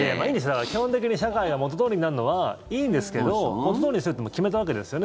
基本的に、社会が元どおりになるのはいいんですけど元どおりにするというのは決めたわけですよね。